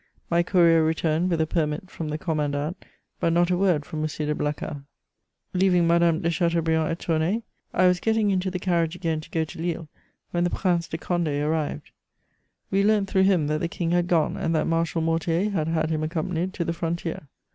My courier returned with a permit from the commandant, but not a word from M. de Blacas. Leaving Madame de Chateaubriand at Tournay, I was getting into the carriage again to go to Lille, when the Prince de Condé arrived. We learnt through him that the King had gone and that Marshal Mortier had had him accompanied to the frontier.